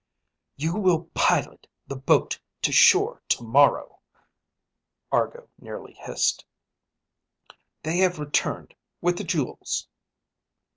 _ _"You will pilot the boat to shore tomorrow," Argo nearly hissed. "They have returned, with the jewels!"